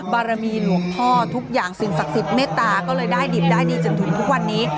บารมีหลวงพ่อทุกอย่างสิ่งศักดิ์สิทธิ์เมตตาก็เลยได้ดิบได้ดีจนถึงทุกวันนี้